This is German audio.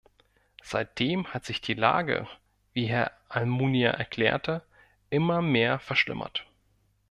Seitdem hat sich die Lage, wie Herr Almunia erklärte, immer mehr verschlimmert.